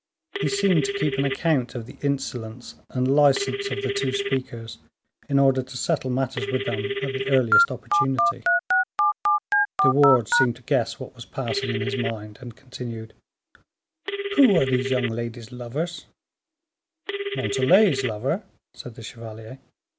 He seemed to keep an account of the insolence and license of the two speakers in order to settle matters with them at the earliest opportunity. De Wardes seemed to guess what was passing in his mind, and continued: "Who are these young ladies' lovers?" "Montalais's lover?" said the chevalier.